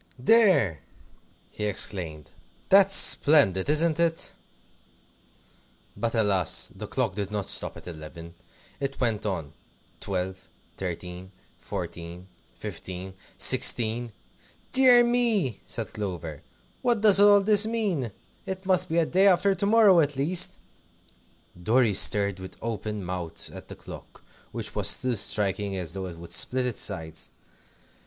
"There!" he exclaimed; "that's splendid, isn't it?" But alas! the clock did not stop at eleven. It went on Twelve, Thirteen, Fourteen, Fifteen, Sixteen! "Dear me!" said Clover, "what does all this mean? It must be day after to morrow, at least." Dorry stared with open mouth at the clock, which was still striking as though it would split its sides.